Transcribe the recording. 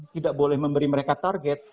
tidak boleh memberi mereka target